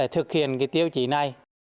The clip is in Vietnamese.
thực hiện tiêu chí này